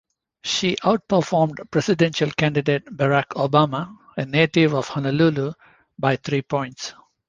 She outperformed presidential candidate Barack Obama, a native of Honolulu, by three points.